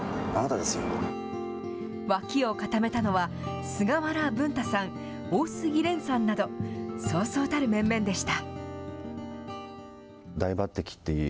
脇を固めたのは、菅原文太さん、大杉漣さんなど、そうそうたる面々でした。